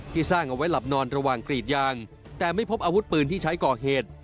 สร้างเอาไว้หลับนอนระหว่างกรีดยางแต่ไม่พบอาวุธปืนที่ใช้ก่อเหตุ